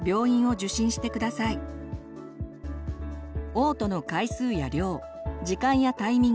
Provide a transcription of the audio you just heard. おう吐の回数や量時間やタイミング